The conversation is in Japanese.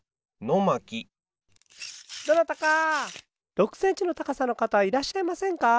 ６センチのたかさの方はいらっしゃいませんか？